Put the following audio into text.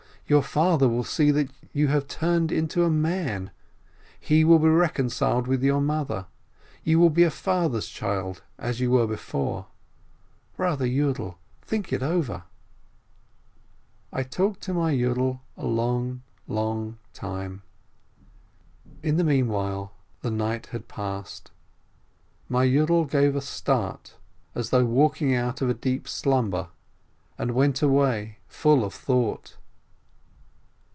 Your Father will see that you have turned into a man, he will be reconciled with your mother, and you will be 'a father's child,' as you were before. Brother Yiidel, think it over !" I talked to my Yiidel a long, long time. In the mean while, the night had passed. My Yiidel gave a start, as though waking out of a deep slumber, and went away full of thought.